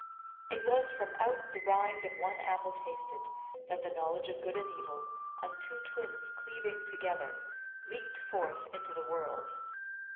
It was from out the rind of one apple tasted, that the knowledge of good and evil, as two twins cleaving together, leaped forth into the world.